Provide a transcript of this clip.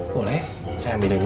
boleh saya ambilin ya